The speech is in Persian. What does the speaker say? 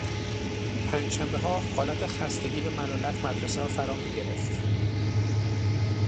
پنجشنبهها حالت خستگی و ملالت مدرسه را فرامیگرفت